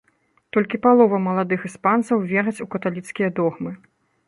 Толькі палова маладых іспанцаў вераць у каталіцкія догмы.